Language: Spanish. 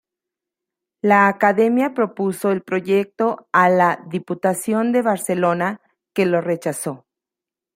La Academia propuso el proyecto a la Diputación de Barcelona, que lo rechazó.